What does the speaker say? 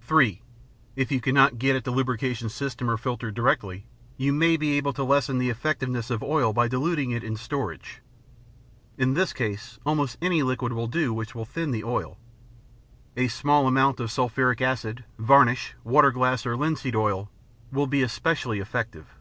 (3) If you cannot get at the lubrication system or filter directly, you may be able to lessen the effectiveness of oil by diluting it in storage. In this case, almost any liquid will do which will thin the oil. A small amount of sulphuric acid, varnish, water glass, or linseed oil will be especially effective.